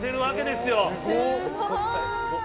すごい！